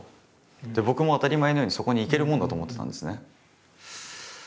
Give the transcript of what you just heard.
僕も当たり前のようにそこに行けるもんだと思ってたんですね。